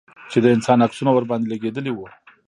چې د انسان عکسونه ورباندې لگېدلي وو.